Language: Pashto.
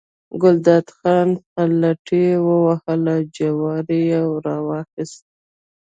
ګلداد خان پلتۍ ووهله، جواری یې راواخیست.